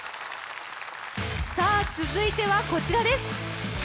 続いてはこちらです。